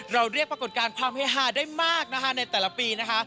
เรียกปรากฏการณ์ความเฮฮาได้มากนะคะในแต่ละปีนะคะ